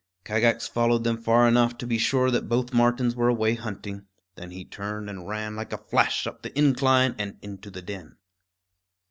Kagax followed them far enough to be sure that both martens were away hunting; then he turned and ran like a flash up the incline and into the den.